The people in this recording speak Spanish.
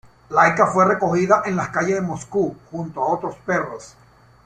Laika fue recogida en las calles de Moscú, junto a otros perros.